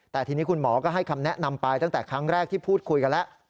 แต่ทีนี้คุณหมอก็ให้คำแนะนำไปตั้งแต่ครั้งแรกที่พูดคุยกันแล้ว